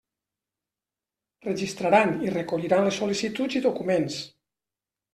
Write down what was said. Registraran i recolliran les sol·licituds i documents.